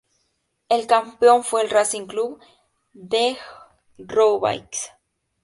El campeón fue el Racing Club de Roubaix.